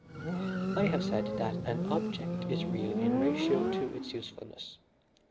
"I have said that an object is real in ratio to its usefulness.